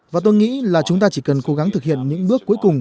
và tôi nghĩ là chúng ta chỉ cần cố gắng thực hiện những bước cuối cùng